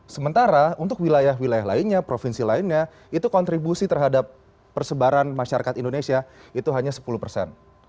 sementara untuk wilayah wilayah lainnya provinsi lainnya itu kontribusi terhadap persebaran masyarakat indonesia itu hanya sepuluh persen